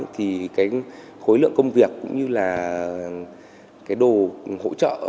thì cái khối lượng công việc cũng như là cái đồ hỗ trợ